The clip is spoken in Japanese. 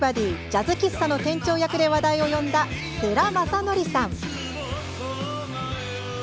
ジャズ喫茶の店長役で話題を呼んだ世良公則さん。